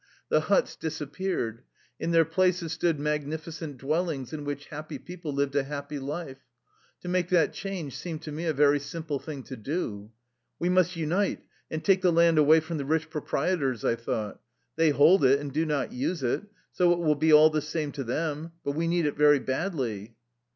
The huts disappeared. In their places stood magnificent dwellings in which happy people lived a happy life. To make that change seemed to me a very simple thing to do. " We must unite and take the land away from the rich proprietors," I thought. " They hold it and do not use it, so it will be all the same to them. But we need it very badly."